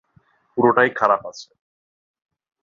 পুরোটাই খারাপ আছে!